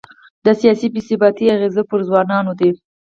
د سیاسي بې ثباتۍ اغېز پر ځوانانو دی.